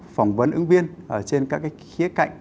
phỏng vấn ứng viên ở trên các khía cạnh